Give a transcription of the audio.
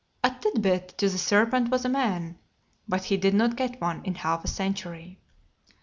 A tidbit to the serpent was a man, but he did not get one in half a century.